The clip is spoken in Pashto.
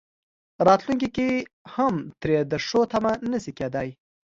راتلونکي کې هم ترې د ښو تمه نه شي کېدای.